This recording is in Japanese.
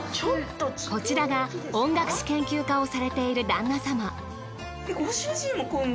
こちらが音楽史研究家をされている旦那様。